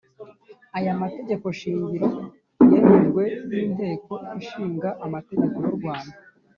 Aya mategeko shingiro yemejwe n inteko ishinga amategeko y urwanda